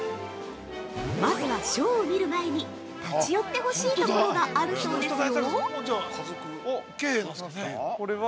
まずはショーを見る前に、立ち寄ってほしいところがあるそうですよ。